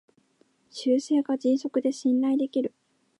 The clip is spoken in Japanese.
修正が迅速で信頼できる